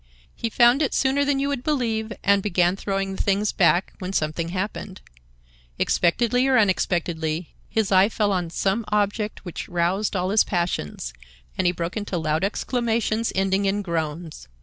He found it sooner than you would believe, and began throwing the things back, when something happened. Expectedly or unexpectedly, his eye fell on some object which roused all his passions, and he broke into loud exclamations ending in groans.